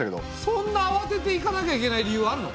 そんなあわてて行かなきゃいけない理由あるの？